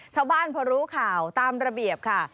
ชาวบ้านพอรู้ข่าวตามระเบียบค่ะ